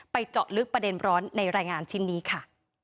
เจาะลึกประเด็นร้อนในรายงานชิ้นนี้ค่ะ